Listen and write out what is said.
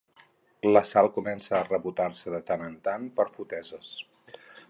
La Sal comença a rebotar-se de tant en tant per foteses.